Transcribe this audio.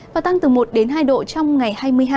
và tăng từ một đến hai độ trong ngày hai mươi hai